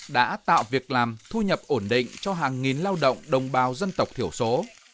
đã tạo việc làm thu nhập ổn định cho hàng nghìn lao động đồng bào dân tộc thiểu số